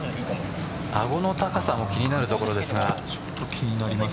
あごの高さも気になる所ですが。